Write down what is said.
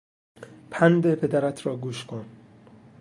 پند پدرت را گوش کن!